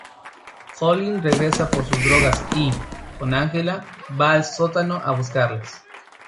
Colin regresa por sus drogas y, con Angela, va al sótano a buscarlas.